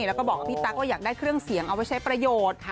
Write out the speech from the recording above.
แล้วก็บอกกับพี่ตั๊กว่าอยากได้เครื่องเสียงเอาไว้ใช้ประโยชน์